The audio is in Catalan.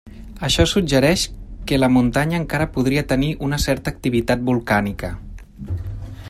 Això suggereix que la muntanya encara podria tenir una certa activitat volcànica.